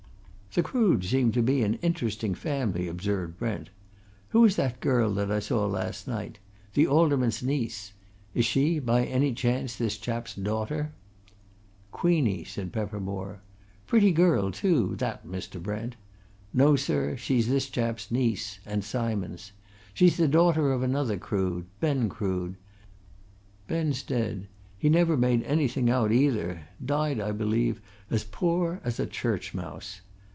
"The Croods seem to be an interesting family," observed Brent. "Who is that girl that I saw last night the Alderman's niece? Is she, by any chance, this chap's daughter?" "Queenie," said Peppermore. "Pretty girl too, that, Mr. Brent. No, sir; she's this chap's niece, and Simon's. She's the daughter of another Crood. Ben Crood. Ben's dead he never made anything out, either died, I believe, as poor as a church mouse.